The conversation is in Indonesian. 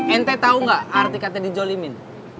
ente tau gak arti kata di jolimin